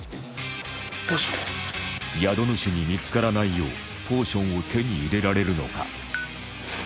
宿主に見つからないようポーションを手に入れられるのか？